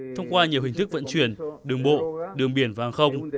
thông qua nhiều hình thức vận chuyển đường bộ đường biển và hàng không